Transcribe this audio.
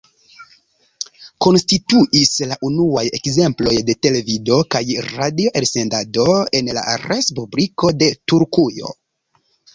Konstituis la unuaj ekzemploj de televido kaj radio elsendado en la Respubliko de Turkujo.